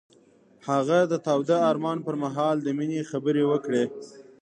هغه د تاوده آرمان پر مهال د مینې خبرې وکړې.